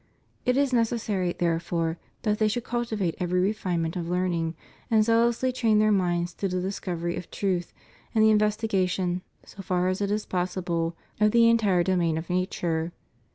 It is necessary, therefore, that they should cultivate every refinement of learning, and zealously train their minds to the discovery of truth and the in vestigation, so far as it is possible, of the entire domain of nature.